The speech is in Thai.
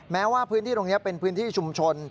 แม้ว่าพื้นที่ตรงนี้เป็นพื้นที่ชุมชน